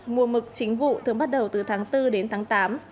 mùa mực chính vụ thường bắt đầu từ tháng bốn đến tháng tám